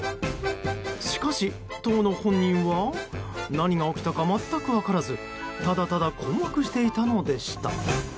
しかし当の本人は何が起きたか全く分からずただただ困惑していたのでした。